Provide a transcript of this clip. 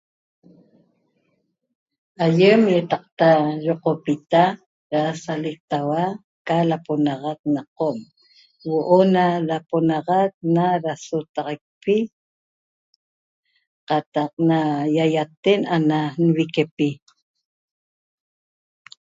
Ayem iataqta ñeqopita ra salectaua ca laponaxac na qom huo'o na laponaxac na rasotaxaicpi qataq na iaiaten ana nviquepi